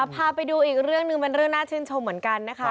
พาไปดูอีกเรื่องหนึ่งเป็นเรื่องน่าชื่นชมเหมือนกันนะคะ